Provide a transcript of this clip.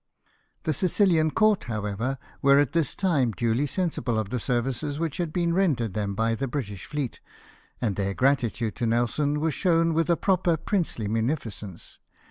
The Sicihan court, however, were at this time duly sensible of the services which had been rendered them by the British fleet, and their gratitude to Nelson was shown with proper and princely munifi cence.